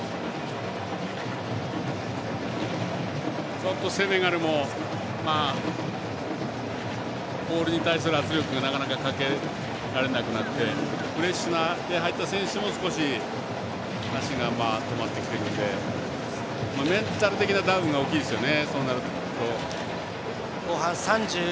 ちょっとセネガルもボールに対する圧力がなかなか、かけられなくなってフレッシュなあとから入った選手も少し足が止まってきているんでメンタル的なダウンが大きいですよね。